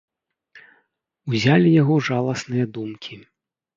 Узялі яго жаласныя думкі.